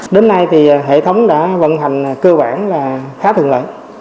đến nay thì hệ thống đã vận hành cơ bản là khá thuận lợi